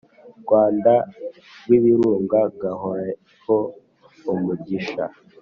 rwanda rw’ibirunga gahoreho umujyisha